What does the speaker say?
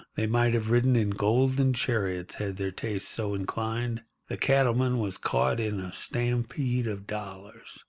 They might have ridden in golden chariots had their tastes so inclined. The cattleman was caught in a stampede of dollars.